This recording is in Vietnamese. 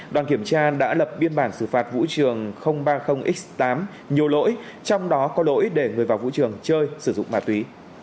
đoàn kiểm tra đã lập biên bản xử phạt vũ trường ba mươi x tám nhiều lỗi trong đó có lỗi để người vào vũ trường chơi sử dụng ma túy